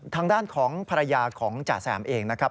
ทางด้านของภรรยาของจ่าแซมเองนะครับ